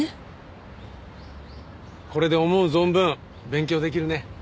これで思う存分勉強できるね。